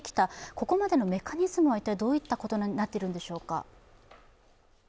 ここまでのメカニズムはどういったことになっているんでしょうか？